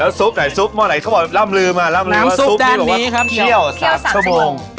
แล้วซุปไหนซุปหม้อไหนเขาบอกล้ำลือมาล้ำลือมาซุปนี้บอกว่าเคี่ยว๓ชั่วโมง